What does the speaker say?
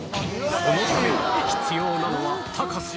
そのために必要なのは高さ。